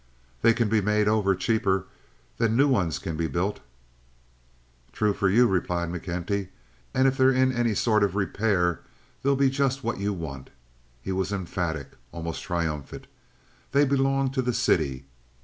"They can be made over cheaper than new ones can be built." "True for you," replied McKenty, "and if they're in any sort of repair they'd be just what you'd want." He was emphatic, almost triumphant. "They belong to the city.